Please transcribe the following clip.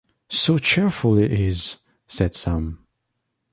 ‘So cheerful he is!’ said Sam.